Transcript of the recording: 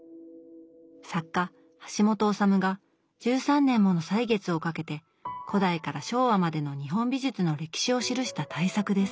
作家橋本治が１３年もの歳月をかけて古代から昭和までの日本美術の歴史を記した大作です。